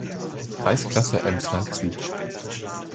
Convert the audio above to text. Kreisklasse Emsland Süd".